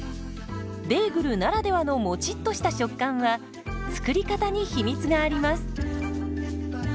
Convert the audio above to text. ベーグルならではのもちっとした食感は作り方に秘密があります。